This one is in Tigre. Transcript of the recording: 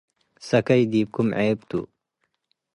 ሰከይ ዲብኩም ዔብ ቱ።